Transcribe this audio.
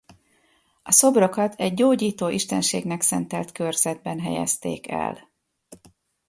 A szobrokat egy gyógyító istenségnek szentelt körzetben helyezték el.